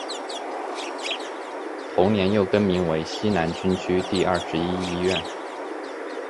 同年又更名为西南军区第二十一医院。